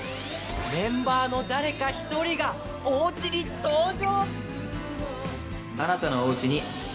メンバーの誰か１人がおうちに登場。